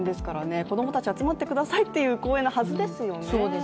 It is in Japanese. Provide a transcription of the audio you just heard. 子供たち、集まってくださいという公園のはずですよね。